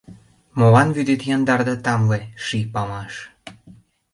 Молан вӱдет яндар да тамле, ший памаш?